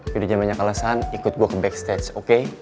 kalau ada kesalahan ikut gua ke backstage oke